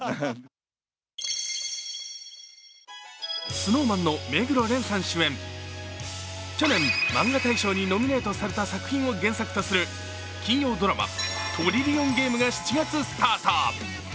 ＳｎｏｗＭａｎの目黒蓮さん主演、去年、マンガ大賞にノミネートされた作品を原作とする金曜ドラマ「トリリオンゲーム」が７月スタート。